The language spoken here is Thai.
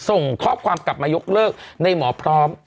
ส่งข้อความกลับมายกเลิกในหมอพร้อม